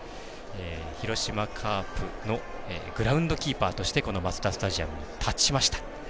広島カープのグラウンドキーパーとしてマツダスタジアムにたちました。